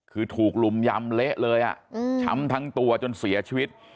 คือถูกลุมยำเละเลยช้ำทั้งตัวจนเสียชีวิต